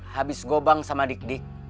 habis gobang sama dik dik